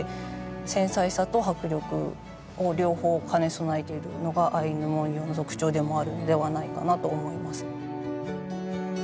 繊細さと迫力を両方兼ね備えているのがアイヌ文様の特徴でもあるのではないかなと思います。